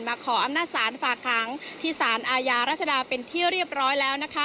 ขออำนาจศาลฝากขังที่สารอาญารัชดาเป็นที่เรียบร้อยแล้วนะคะ